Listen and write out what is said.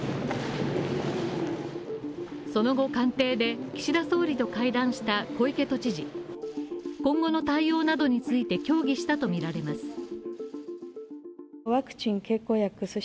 その後官邸で岸田総理と会談した小池都知事、今後の対応などについて協議したとみられます。